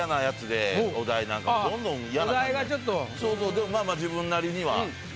でもまあまあ自分なりには。